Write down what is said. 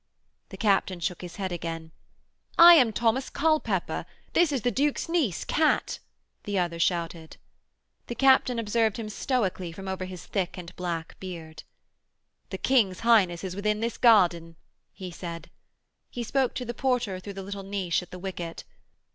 The captain shook his head again. 'I am Thomas Culpepper. This is the Duke's niece, Kat,' the other shouted. The captain observed him stoically from over his thick and black beard. 'The King's Highness is within this garden,' he said. He spoke to the porter through the little niche at the wicket.